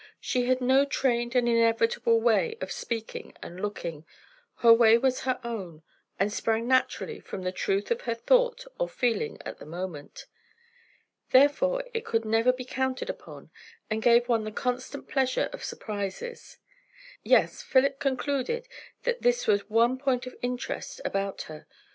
She had no trained and inevitable way of speaking and looking; her way was her own, and sprang naturally from the truth of her thought or feeling at the moment. Therefore it could never be counted upon, and gave one the constant pleasure of surprises. Yes, Philip concluded that this was one point of interest about her.